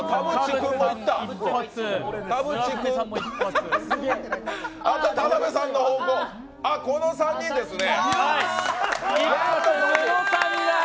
田渕君、あと田辺さん、この３人ですね。